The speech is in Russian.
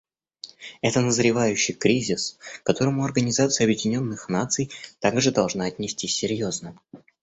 Это назревающий кризис, к которому Организация Объединенных Наций также должна отнестись серьезно.